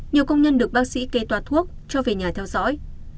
nhiều công nhân được bác sĩ kê toa thuốc cho về nhà theo dõi